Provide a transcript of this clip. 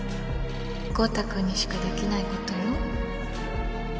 昊汰君にしかできないことよ。